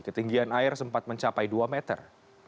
ketinggian air sempat mencapai dua meter